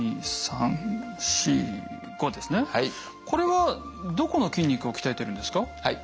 これはどこの筋肉を鍛えてるんですか？